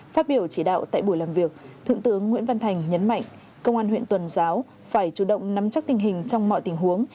phát biểu chỉ đạo tại buổi làm việc thượng tướng nguyễn văn thành nhấn mạnh công an huyện tuần giáo phải chủ động nắm chắc tình hình trong mọi tình huống